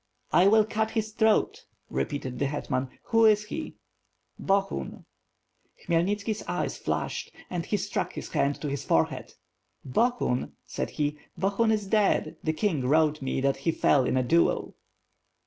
"I will cut his throat," repeated the hetman, "who is he?" "Bohun!" Khmyelnitski's eyes flashed, and he struck his hand to his forehead. "Bohun?" said he, "Bohun is dead, the king wrote me thad; he fell in a duel."